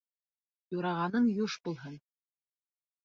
Юрағаның юш булһын.